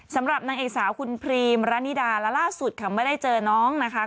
สำหรับนางเอกสาวคุณพรีมรณิดาและล่าสุดค่ะไม่ได้เจอน้องนะคะ